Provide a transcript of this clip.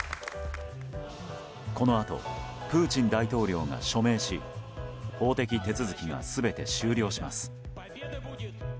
このあとプーチン大統領が署名し法的手続きが全て終了します。